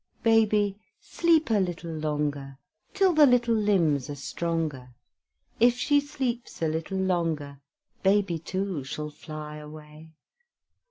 Baby, sleep a little longer, Till the little limbs are stronger. If she sleeps a little longer, Baby, too, shall fly away.